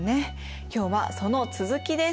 今日はその続きです。